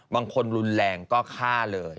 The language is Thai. บางคนรุนแรงก็ฆ่าเลย